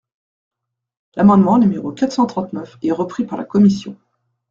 L’amendement numéro quatre cent trente-neuf est repris par la commission.